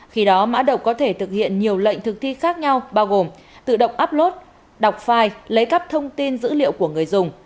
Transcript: khi đó mã độc có thể thực hiện nhiều lệnh thực thi khác nhau bao gồm tự động applot đọc file lấy cắp thông tin dữ liệu của người dùng